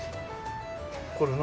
これ何？